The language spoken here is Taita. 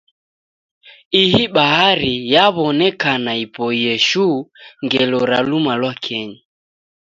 Ihi bahari yaw'onekana ipoie shuu ngelo ra luma lwa kenyi.